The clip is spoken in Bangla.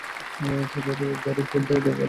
তাই তাদের ডক্টরেট দেওয়ার অধিকার ছিলনা।